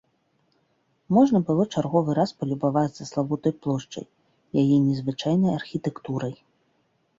Можна было чарговы раз палюбавацца славутай плошчай, яе незвычайнай архітэктурай.